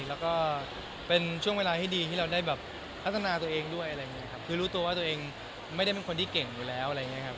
แล้วก็เป็นช่วงเวลาที่ดีที่เราได้แบบพัฒนาตัวเองด้วยคือรู้ตัวว่าตัวเองไม่ได้เป็นคนที่เก่งอยู่แล้ว